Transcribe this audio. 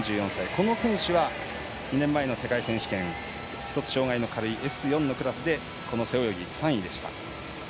この選手は、２年前の世界選手権１つ障害の軽いＳ４のクラスで背泳ぎ３位でした。